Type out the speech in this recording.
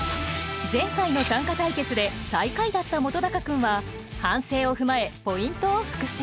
前回の短歌対決で最下位だった本君は反省を踏まえポイントを復習。